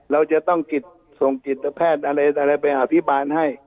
เราจะต้องส่งจิตแพทย์อะไรไปอภิบาลให้